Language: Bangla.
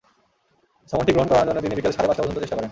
সমনটি গ্রহণ করানোর জন্য তিনি বিকেল সাড়ে পাঁচটা পর্যন্ত চেষ্টা করেন।